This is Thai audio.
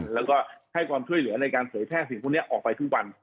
แล้วก็ให้ความช่วยเหลือในการเผยแพร่สิ่งพวกนี้ออกไปทุกวัน